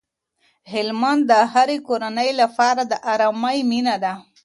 هلمند د هرې کورنۍ لپاره د ارامۍ مينه ده.